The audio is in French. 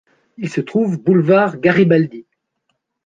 Il se trouve Boulevard Garibaldi.